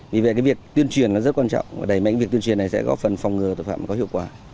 vì vậy cái việc tuyên truyền rất quan trọng và đẩy mạnh việc tuyên truyền này sẽ góp phần phòng ngừa tội phạm có hiệu quả